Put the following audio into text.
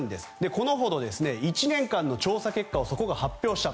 このほど１年間の調査結果を発表した。